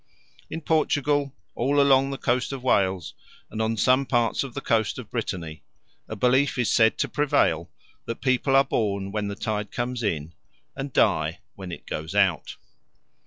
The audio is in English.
In Portugal, all along the coast of Wales, and on some parts of the coast of Brittany, a belief is said to prevail that people are born when the tide comes in, and die when it goes out.